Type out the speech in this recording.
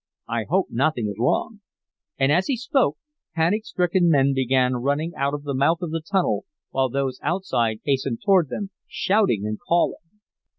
I hope nothing is wrong!" And, as he spoke, panic stricken men began running out of the mouth of the tunnel, while those outside hastened toward them, shouting and calling.